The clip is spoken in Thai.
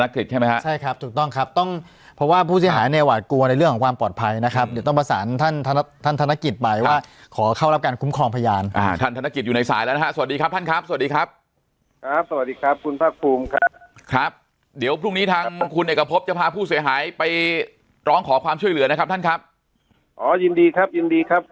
ครับสวัสดีครับคุณพระภูมิครับครับเดี๋ยวพรุ่งนี้ทางคุณเอกพบจะพาผู้เสียหายไปร้องขอความช่วยเหลือนะครับท่านครับอ๋อยินดีครับยินดีครับ